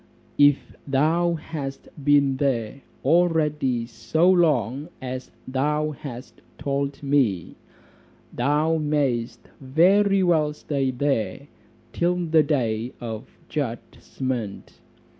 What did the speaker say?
If thou hast been there already so long as thou hast told me, thou may'st very well stay there till the day of judgment.